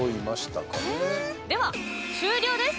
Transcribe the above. では終了です。